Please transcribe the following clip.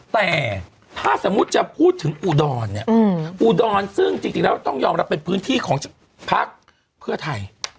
แต่ถ้าสมมุติจะพูดถึงอุดรเนี่ยอุดรซึ่งจริงแล้วต้องยอมรับเป็นพื้นที่ของพักเพื่อไทย